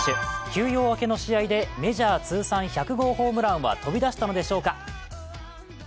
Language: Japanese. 休養開けの試合でメジャー通算１００号ホームランは飛び出したのでしょうか。